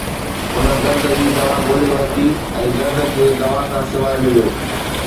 هن درد جي دوا ڳولي ورتي ۽ درد کي دوا کان سواءِ مليو